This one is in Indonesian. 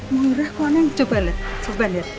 murah kok neng coba liat coba liat